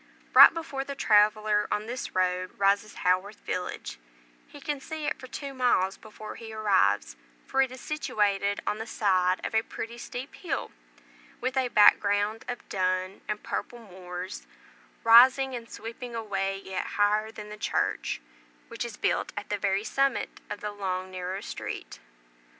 Right before the traveller on this road rises Haworth village; he can see it for two miles before he arrives, for it is situated on the side of a pretty steep hill, with a back ground of dun and purple moors, rising and sweeping away yet higher than the church, which is built at the very summit of the long narrow street.